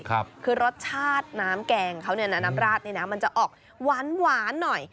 คือรสชาติน้ำแกงเขาเนี่ยนะน้ำราดนี่นะมันจะออกหวานหวานหน่อย